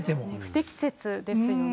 不適切ですよね。